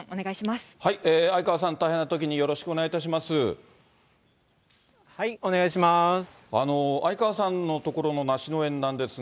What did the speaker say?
相川さん、大変なときに、よお願いします。